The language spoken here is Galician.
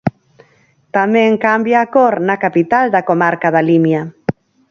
Tamén cambia a cor na capital da comarca da Limia.